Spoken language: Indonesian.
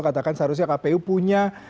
katakan seharusnya kpu punya